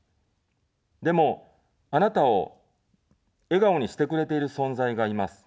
でも、あなたを笑顔にしてくれている存在がいます。